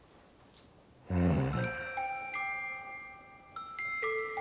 うん。